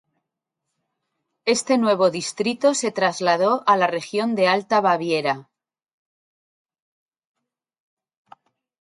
Este nuevo distrito se trasladó a la región de Alta Baviera.